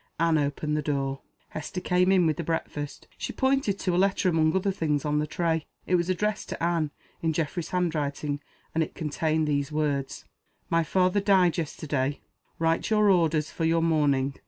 Anne opened the door. Hester came in with the breakfast. She pointed to a letter among other things on the tray. It was addressed to Anne, in Geoffrey's handwriting, and it contained these words: "My father died yesterday. Write your orders for your mourning.